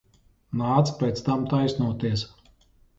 Nāca pēc tam taisnoties.